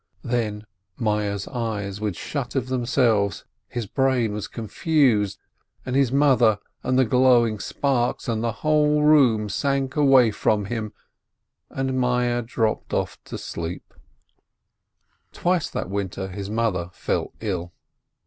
Then Meyerl's eyes would shut of themselves, his brain was confused, and his mother and the glowing sparks and the whole room sank away from him, and Meyerl dropped off to sleep. IF IT WAS A DEEAM 485 Twice that winter his mother fell ill.